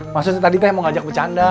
maksudnya tadi teh yang mau ngajak bercanda